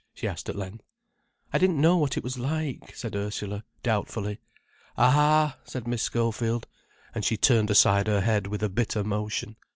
she asked at length. "I didn't know what it was like," said Ursula, doubtfully. "Ah!" said Miss Schofield, and she turned aside her head with a bitter motion.